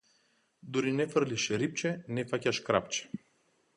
Дури не фрлиш рипче, не фаќаш крапче.